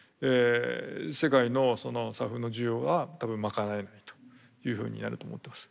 世界のＳＡＦの需要は多分賄えないというふうになると思ってます。